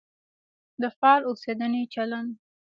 د فعال اوسېدنې چلند.